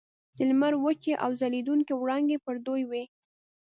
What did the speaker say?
د لمر وچې او ځلیدونکي وړانګې پر دوی وې.